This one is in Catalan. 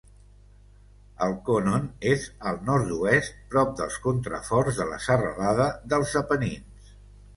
El Conon és al nord-oest, prop dels contraforts de la serralada dels Apenins.